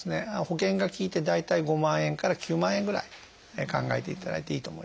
保険が利いて大体５万円から９万円ぐらい考えていただいていいと思います。